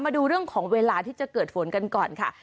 มาดูเรื่องของเวลาที่จะเกิดฝนกันก่อนค่ะ